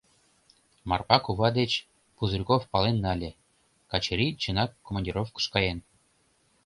Марпа кува деч Пузырьков пален нале: Качырий чынак командировкыш каен.